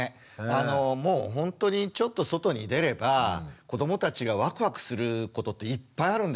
もうほんとにちょっと外に出れば子どもたちがワクワクすることっていっぱいあるんですよ。